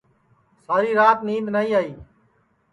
ساری رات نید نائی آئی